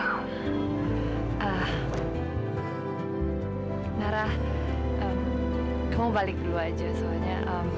marah kamu balik dulu aja soalnya